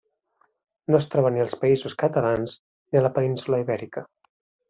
No es troba ni als països catalans ni a la península Ibèrica.